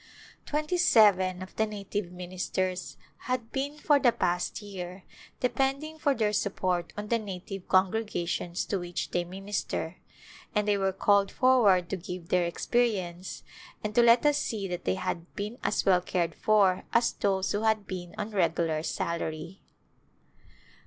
Twenty seven of the native ministers had been for the past year depending for their support on the native con gregations to which they minister and they were called forward to give their experience and to let us see that they had been as well cared for as those who had been on regular salary.